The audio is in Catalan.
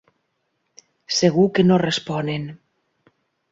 Segur que no responen.